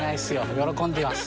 喜んでます。